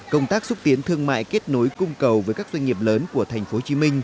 công tác xúc tiến thương mại kết nối cung cầu với các doanh nghiệp lớn của tp hcm